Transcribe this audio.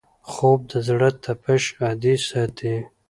خوب د زړه تپش عادي ساتي